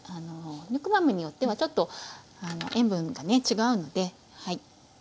ヌクマムによってはちょっと塩分がね違うので。